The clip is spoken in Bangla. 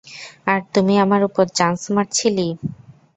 আর তুমি আমার উপর চান্স মারছিলি।